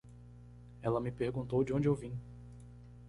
Ela me perguntou de onde eu vim.